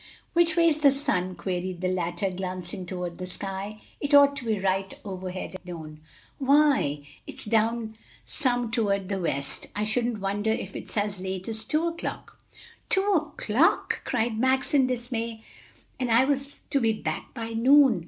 "Which way's the sun?" queried the latter, glancing toward the sky; "it ought to be right overhead at noon. Why, it's down some toward the west! I shouldn't wonder if it's as late as two o'clock." "Two o'clock!" cried Max in dismay, "and I was to be back by noon!